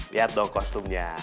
lihat dong kostumnya